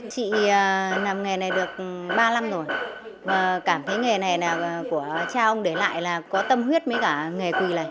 chị làm nghề này được ba năm rồi và cảm thấy nghề này là của cha ông để lại là có tâm huyết với cả nghề quỳ này